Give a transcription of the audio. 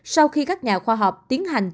sau khi các nhà khoa học tiến hành